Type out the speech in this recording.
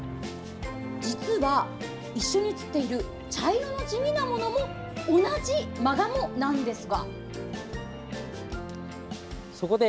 実は、一緒に映っている茶色の地味なものも同じマガモなんですが。